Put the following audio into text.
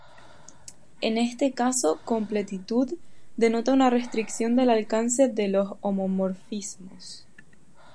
En este caso, "completitud" denota una restricción del alcance de los homomorfismos.